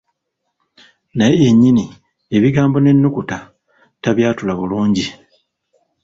Naye yennyini ebigambo n’ennukuta tabyatula bulungi.